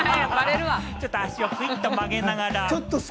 ちょっと足をクイっと曲げながら。